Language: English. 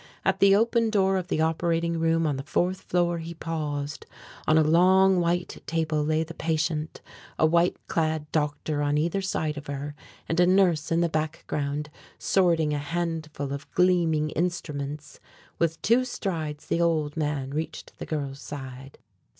At the open door of the operating room on the fourth floor he paused. On a long white table lay the patient, a white clad doctor on either side of her, and a nurse in the background sorting a handful of gleaming instruments. With two strides the old man reached the girl's side.